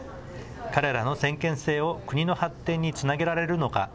彼らの先見性を国の発展につなげられるのか。